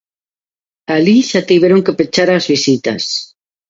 Alí xa tiveron que pechar as visitas.